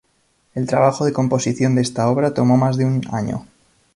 El trabajo de composición de esta obra tomó más de un año.